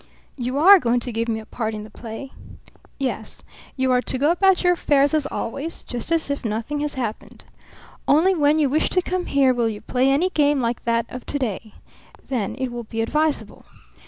"You are going to give me a part in the play?" "Yes. You are to go about your affairs as always, just as if nothing had happened. Only when you wish to come here will you play any game like that of to day. Then it will be advisable.